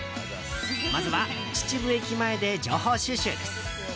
まずは秩父駅前で情報収集です。